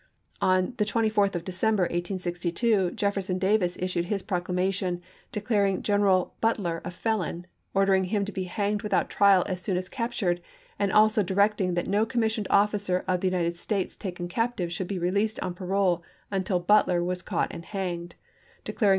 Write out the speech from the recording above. On the 24th of December, 1862, Jefferson Davis issued his proclamation declaring General Butler a felon, and ordering him to be hanged without trial as soon as captured, and also direct ing that no commissioned officer of the United States taken captive should be released on parole until Butler was caught and hanged ; declaring all 1 See Chapter XXL, Vol.